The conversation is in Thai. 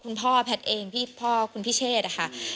คุณพ่อแพทย์เองพี่พ่อคุณพิเชศค่ะ